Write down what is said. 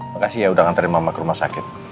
makasih ya udah nganterin mama ke rumah sakit